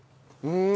うん。